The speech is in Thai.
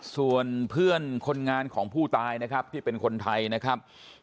ส่วนเพื่อนคนงานของผู้ตายนะครับที่เป็นคนไทยนะครับ